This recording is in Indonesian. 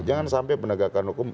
jangan sampai penegakan hukum